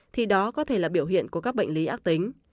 thì đó có thể là biểu hiện của các bệnh lý ác tính